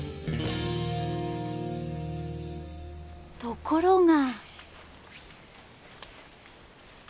ところが。